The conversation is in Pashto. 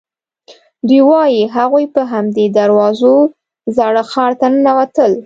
دوی وایي هغوی په همدې دروازو زاړه ښار ته ننوتل.